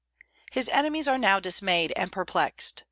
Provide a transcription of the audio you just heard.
His enemies are now dismayed and perplexed.